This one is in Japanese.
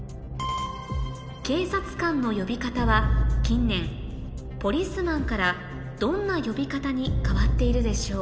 警察官の呼び方は近年Ｐｏｌｉｃｅｍａｎからどんな呼び方に変わっているでしょう？